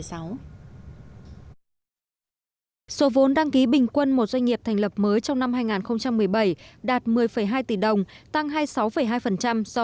số vốn đăng ký bình quân một doanh nghiệp thành lập mới